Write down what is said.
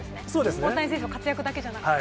大谷選手の活躍だけじゃなくて。